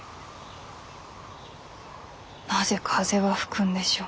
なぜ風は吹くんでしょう。